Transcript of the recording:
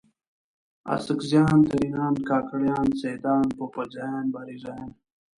اڅکزیان، ترینان، کاکړان، سیدان ، پوپلزیان، بارکزیان